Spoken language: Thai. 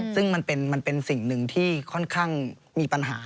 ซึ่งมันเป็นสิ่งหนึ่งที่ค่อนข้างมีปัญหา